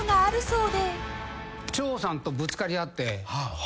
長さんとぶつかり合って。